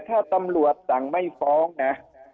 ถ้าตำรวจสั่งไม่ฟ้องนะ